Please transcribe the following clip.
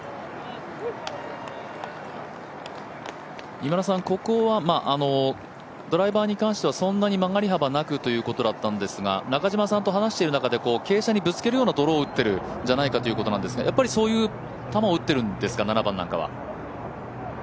今田さん、ここはドライバーに関してはそんなに曲がり幅なくということだったんですが中嶋さんと話している中で傾斜にぶつけるようなドローを打っているということですがやっぱりそういう球を打ってるんですか、７番なんかは。